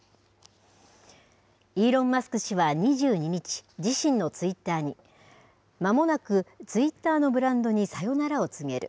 イーロン・マスク氏は２２日、自身のツイッターに、まもなくツイッターのブランドにさよならを告げる。